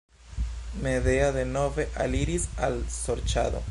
Medea denove aliris al sorĉado.